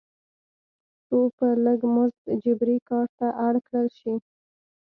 څو په لږ مزد جبري کار ته اړ کړل شي.